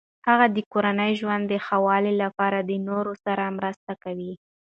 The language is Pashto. هغه د کورني ژوند د ښه والي لپاره د نورو سره مرسته کوي.